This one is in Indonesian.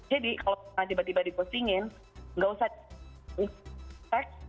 jadi kalau tiba tiba di ghostingin gak usah text